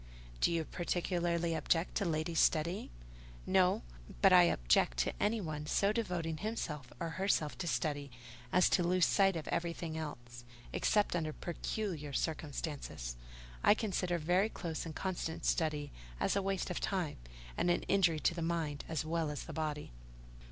Do you particularly object to ladies studying?" "No; but I object to anyone so devoting himself or herself to study, as to lose sight of everything else. Except under peculiar circumstances, I consider very close and constant study as a waste of time, and an injury to the mind as well as the body."